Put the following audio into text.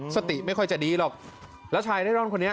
สติไม่ค่อยจะดีหรอกแล้วชายเร่ร่อนคนนี้